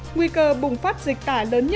nguy cơ bùng phát dịch tả lớn